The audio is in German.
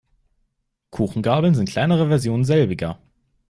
Kuchengabeln sind kleinere Versionen selbiger.